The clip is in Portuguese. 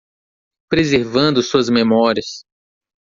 Preservando suas memórias